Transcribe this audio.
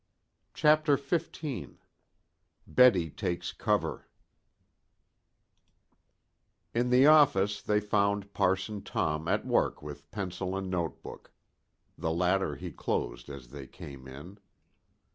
CHAPTER XV BETTY TAKES COVER In the office they found Parson Tom at work with pencil and note book. The latter he closed as they came in.